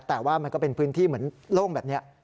แต่ว่ามันก็เป็นพื้นที่เหมือนโล่งแบบนี้